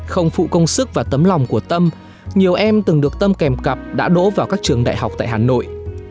không phụ công sức và tấm lòng của tâm nhiều em từng được tâm kèm cặp đã đổ vào các trường đại học tại hà nội